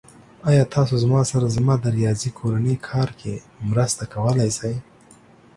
ایا تاسو زما سره زما د ریاضی کورنی کار کې مرسته کولی شئ؟